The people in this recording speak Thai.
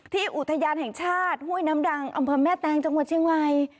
ที่อุทยานแห่งชาติห้วยน้ำดังอำพังแม่แตงจังหวัดชิงวัย